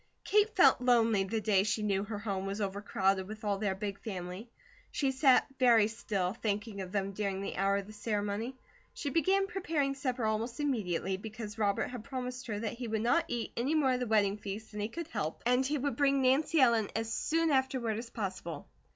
Kate felt lonely the day she knew her home was overcrowded with all their big family; she sat very still thinking of them during the hour of the ceremony; she began preparing supper almost immediately, because Robert had promised her that he would not eat any more of the wedding feast than he could help, and he would bring Nancy Ellen as soon afterward as possible.